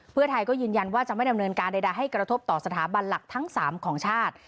เพื่อไทยก็ยืนยันว่าจะไม่ดำเนินการใดให้กระทบต่อสถาบันหลักทั้ง๓ของชาติ